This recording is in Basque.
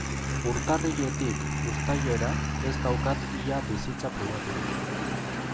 Urtarriletik uztailera ez daukat ia bizitza pribaturik.